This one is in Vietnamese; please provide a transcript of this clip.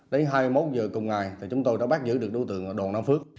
đến hai mươi một h cùng ngày chúng tôi đã bác giữ được đối tượng đoàn nam phước